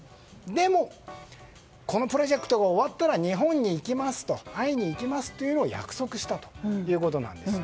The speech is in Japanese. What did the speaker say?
でもこのプロジェクトが終わったら日本に行きますと会いに行きますというのを約束したということです。